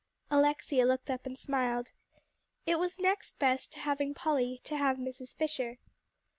Alexia looked up and smiled. It was next best to having Polly, to have Mrs. Fisher.